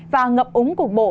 và ngập úng cục bộ